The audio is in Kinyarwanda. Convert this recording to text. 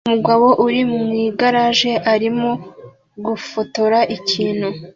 Umugabo uri mu igaraje arimo gufotora ikintu